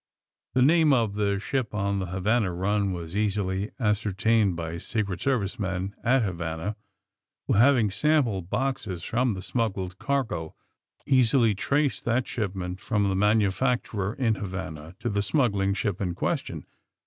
The name of the ship on the Havana run was easily ascertained by Secret Service men at Havana who, having sample boxes from the smuggled cargo, easily traced that shipment from the manufacturer in Havana to the smuggling ship in question.